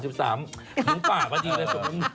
หงุงป่าวันนี้ล่ะครับ